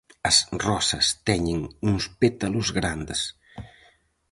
As rosas teñen uns pétalos grandes.